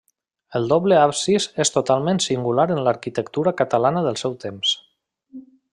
El doble absis és totalment singular en l'arquitectura catalana del seu temps.